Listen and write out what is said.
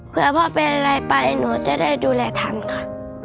เพื่อพ่อเป็นอะไรไปหนูจะได้ดูแลทันค่ะ